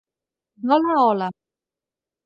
D'hola a hola.